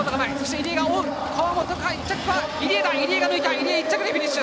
入江が１着でフィニッシュ。